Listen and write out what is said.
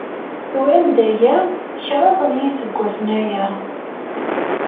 Turam-d aya kraḍ n yiseggasen aya.